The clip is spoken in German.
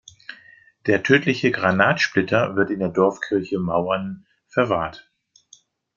Der tödliche Granatsplitter wird in der Dorfkirche Mauern verwahrt.